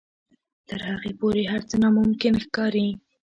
تر هغې پورې هر څه ناممکن ښکاري.